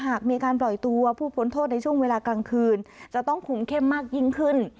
หากมีการปล่อยตัวผู้พ้นโทษในช่วงเวลากลางคืนจะต้องคุมเข้มมากยิ่งขึ้น